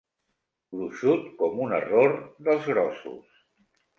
Gruixut com un error dels grossos.